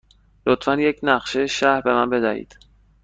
لطفاً یک نقشه شهر به من بدهید.